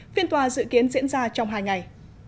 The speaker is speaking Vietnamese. phiên tòa dự kiến diễn ra trong hai ngày